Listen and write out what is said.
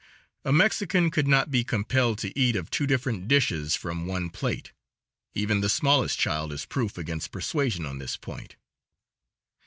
A Mexican could not be compelled to eat of two different dishes from one plate. Even the smallest child is proof against persuasion on this point.